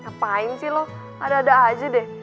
ngapain sih loh ada ada aja deh